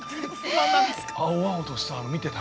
青々とした、見て、竹。